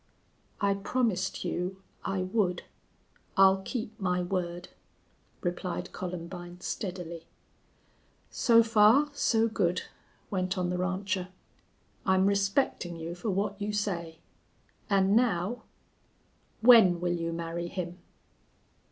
"I promised you I would. I'll keep my word," replied Columbine, steadily. "So far so good," went on the rancher. "I'm respectin' you fer what you say.... An' now, when will you marry him?"